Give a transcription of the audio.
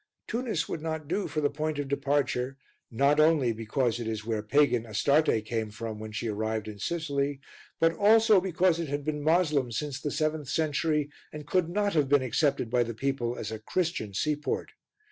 Tunis would not do for the point of departure, not only because it is where pagan Astarte came from when she arrived in Sicily, but also because it had been Moslem since the seventh century and could not have been accepted by the people as a Christian seaport.